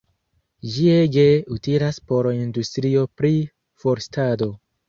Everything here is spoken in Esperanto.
Ĝi ege utilas por industrio pri forstado.